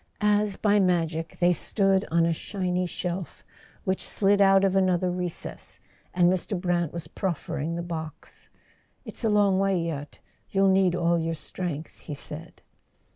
As by magic they stood on a shiny shelf which slid out of another recess, and Mr. Brant was proffering the box. "It's a long way yet; you'll need all your strength," he said.